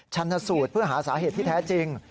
ชันสูตรเพื่อหาสาเหตุที่แท้จริง